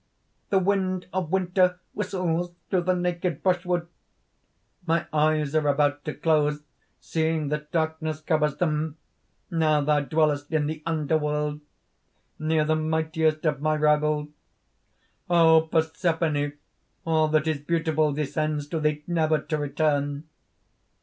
The wind of winter whistles through the naked brushwood. "My eyes are about to close, seeing that darkness covers them! Now thou dwellest in the underworld near the mightiest of my rivals. "O Persephone, all that is beautiful descends to thee, never to return!"